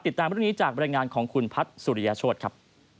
ติดตามเรื่องนี้จากบรรยายงานของคุณพัฒน์สุริยโชธครับ